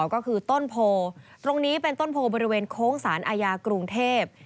ก็คือต้นโพตรงนี้เป็นต้นโพบริเวณโค้งสารอาญากรุงเทพ